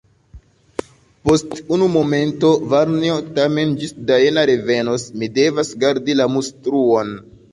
Post unu momento, varnjo; tamen ĝis Dajna revenos, mi devas gardi la mustruon.